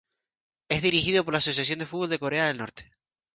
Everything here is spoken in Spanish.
Es dirigida por la Asociación de Fútbol de Corea del Norte.